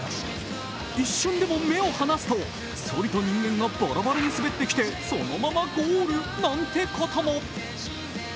一瞬でも目を離すとそりと人間がばらばらに滑ってきて、そのままゴールなんてことも。